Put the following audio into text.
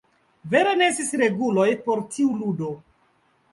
Vere ne estis reguloj por tiu ludo.